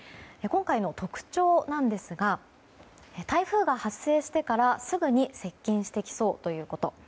今回の特徴なんですが台風が発生してからすぐに接近してきそうということ。